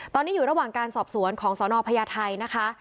ตอนนี้อยู่ระหว่างการสอบสวนของสนพญาไทยนะคะ